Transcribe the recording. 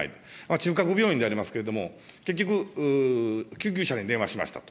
中核病院でありますけれども、結局救急車に電話しましたと。